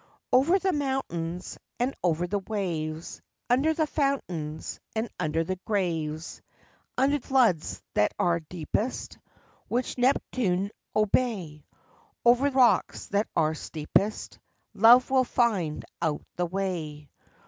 Over the mountains And over the waves, Under the fountains And under the graves; Under floods that are deepest, Which Neptune obey; Over rocks that are steepest, Love will find out the way.